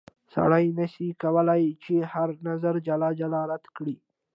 سړی نه سي کولای چې هر نظر جلا جلا رد کړي.